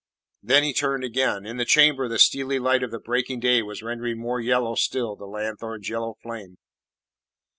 Then he turned again. In the chamber the steely light of the breaking day was rendering more yellow still the lanthorn's yellow flame.